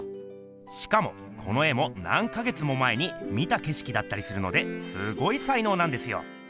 しかもこの絵も何か月も前に見た景色だったりするのですごいさいのうなんですよ！